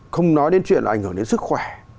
không nói đến chuyện ảnh hưởng đến sức khỏe